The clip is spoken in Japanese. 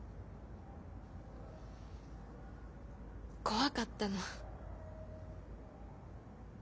怖かったの。